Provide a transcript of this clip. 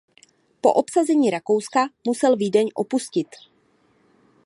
Po obsazení Rakouska musel Vídeň opustit.